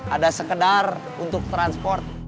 ada sekedar untuk transport